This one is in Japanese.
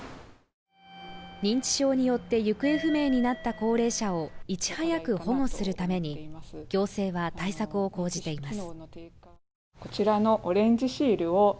認知症によって行方不明になった高齢者をいち早く保護するために行政は対策を講じています